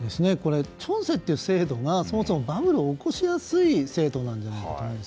チョンセという制度がそもそもバブルを起こしやすい制度なのではないかと思います。